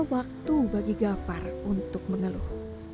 tidak tahu bagi gavar untuk mengeluh